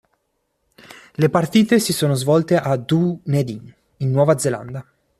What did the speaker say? Le partite si sono svolte a Dunedin, in Nuova Zelanda.